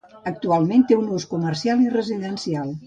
Actualment té ús comercial i residencial.